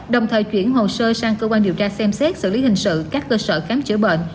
đồng thời chuyển hồ sơ sang cơ quan điều tra xem xét xử lý hình sự các cơ sở khám chữa bệnh